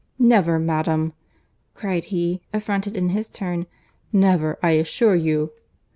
"Never, madam," cried he, affronted in his turn: "never, I assure you.